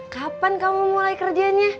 kapan kamu mulai kerjanya